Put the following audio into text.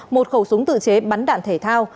một khẩu súng tự chế bắn đạn thể thao